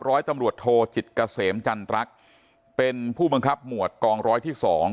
ร้อยตำรวจโทจิตเกษมจันรักเป็นผู้บังคับหมวดกองร้อยที่สอง